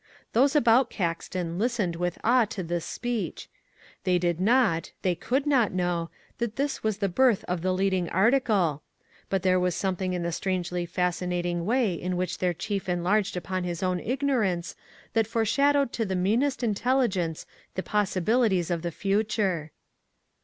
'" Those about Caxton listened with awe to this speech. They did not, they could not know, that this was the birth of the Leading Article, but there was something in the strangely fascinating way in which their chief enlarged upon his own ignorance that foreshowed to the meanest intelligence the possibilities of the future.